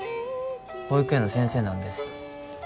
保育園の先生なんです